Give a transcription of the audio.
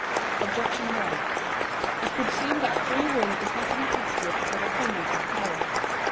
Objection 1: It would seem that free will is not an appetitive, but a cognitive power.